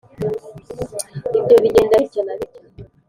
ibyo bigenda bitya na bitya